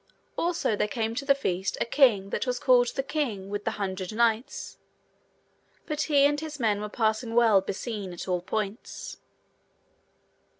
Also there came to the feast a king that was called the King with the Hundred Knights, but he and his men were passing well beseen at all points.